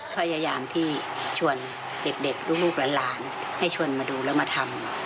พยายามที่ชวนเด็กเด็กลูกลูกล้านลานให้ชวนมาดูแล้วมาทำ